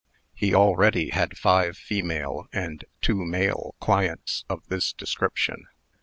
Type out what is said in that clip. He already had five female and two male clients of this description.